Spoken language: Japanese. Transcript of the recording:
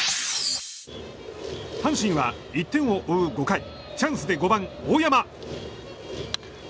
阪神は１点を追う５回チャンスで５番、大山。